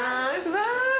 わい。